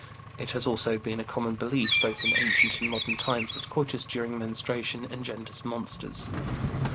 It has also been a common belief both in ancient and modern times that coitus during menstruation engenders monsters.